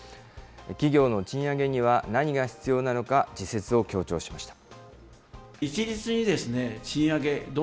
企業の賃上げには何が必要なのか、自説を強調しました。